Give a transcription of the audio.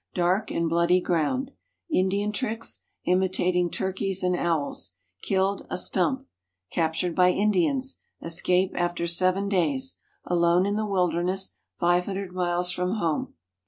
"Dark and Bloody Ground." Indian tricks, imitating turkeys and owls. "Killed" a "stump." Captured by Indians. Escape after seven days. Alone in the wilderness, 500 miles from home.